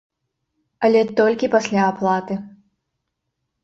Але толькі пасля аплаты!